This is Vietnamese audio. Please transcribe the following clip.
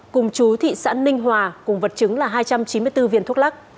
cùng chú thị xã ninh hòa cùng vật chứng là hai trăm chín mươi bốn viên thuốc lắc